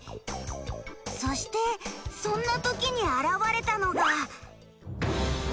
そしてそんなときに現れたのが。